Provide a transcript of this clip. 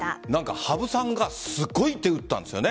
羽生さんがすごい手、打ったんですよね。